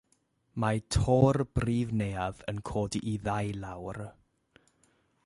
Mae to'r brif neuadd yn codi i ddau lawr.